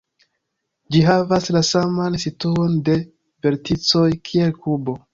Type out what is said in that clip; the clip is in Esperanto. Ĝi havas la saman situon de verticoj kiel kubo.